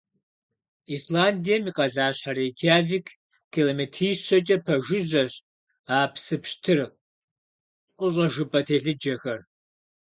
Исландием и къалащхьэ Рейкьявик километрищэкӀэ пэжыжьэщ а псы пщтыр къыщӀэжыпӀэ телъыджэхэр.